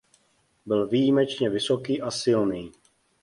Byl výjimečně vysoký a silný.